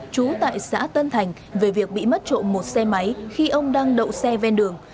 trú tại xã tân thành về việc bị mất trộm một xe máy khi ông đang đậu xe ven đường